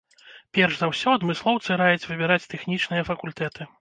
Перш за ўсё, адмыслоўцы раяць выбіраць тэхнічныя факультэты.